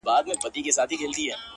دا ستا د مستو گوتو له سيتاره راوتلي!!